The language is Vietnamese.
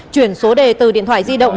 chuyển số đề từ điện thoại di động